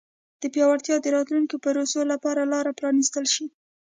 د پیاوړتیا د راتلونکو پروسو لپاره لار پرانیستل شي.